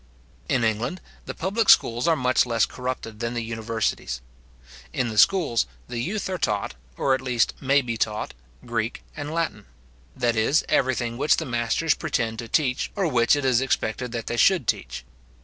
In England, the public schools are much less corrupted than the universities. In the schools, the youth are taught, or at least may be taught, Greek and Latin; that is, everything which the masters pretend to teach, or which it is expected they should teach.